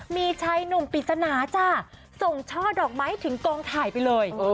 มีชายหนุ่มปริศนาจ้ะส่งช่อดอกไม้ถึงกองถ่ายไปเลย